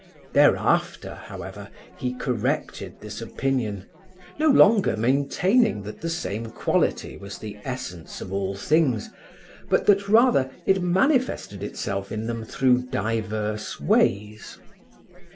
Thereafter, however, he corrected this opinion, no longer maintaining that the same quality was the essence of all things, but that, rather, it manifested itself in them through diverse ways.